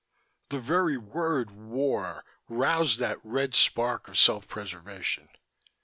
The very word "war" roused that red spark of self preservation.